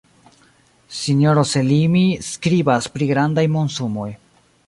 Sinjoro Selimi skribas pri grandaj monsumoj.